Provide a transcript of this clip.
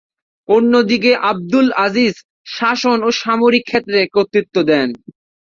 অন্যদিকে আবদুল আজিজ শাসন ও সামরিক ক্ষেত্রে কর্তৃত্ব দেন।